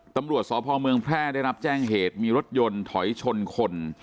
ตำรวจสพเมืองแพร่ได้รับแจ้งเหตุมีรถยนต์ถอยชนคน